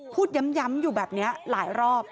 พูดย้ำอยู่แบบนี้หลายรอบ